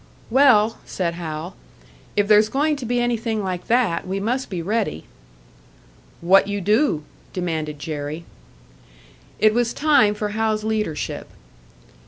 "Well," said Hal, "if there's going to be anything like that, we must be ready." "What you do?" demanded Jerry. It was time for Hal's leadership.